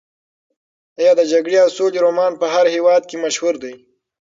ایا د جګړې او سولې رومان په هر هېواد کې مشهور دی؟